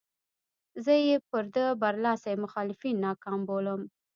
زه یې پر ده برلاسي مخالفین ناکام بولم.